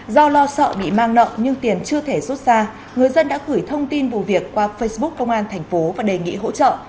do lo sợ bị mang nợ nhưng tiền chưa thể rút ra người dân đã gửi thông tin vụ việc qua facebook công an thành phố và đề nghị hỗ trợ